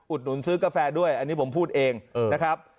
หนุนซื้อกาแฟด้วยอันนี้ผมพูดเองนะครับ